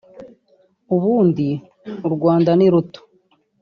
ubundi u Rwanda ni ruto